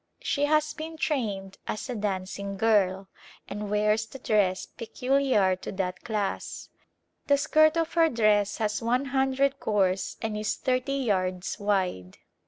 She has been trained as a dancing girl and wears the dress peculiar to that Visitors From America class. The skirt of her dress has one hundred gores and is thirty yards wide.